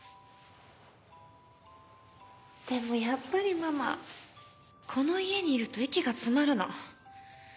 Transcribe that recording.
でもやっぱりママこの家にいると息が詰まるの。